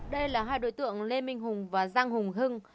đây là hai đối tượng lê minh hùng và giang hùng hưng